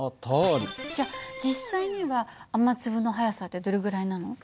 じゃ実際には雨粒の速さってどれぐらいなの？